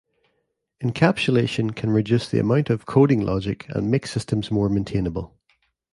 Encapsulation can reduce the amount of coding logic and make systems more maintainable.